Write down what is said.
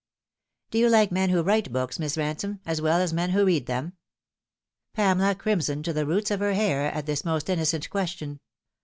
" Do you like men who write books, Miss Ransome, as well as men who read them ?" Pamela crimsoned to the roots of her hair at this most innocent question.